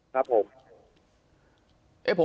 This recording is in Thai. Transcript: ครับผม